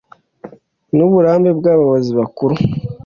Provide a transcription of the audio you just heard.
n uburambe by abayobozi bakuru